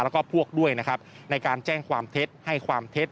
แล้วก็พวกด้วยนะครับในการแจ้งความเท็จให้ความเท็จ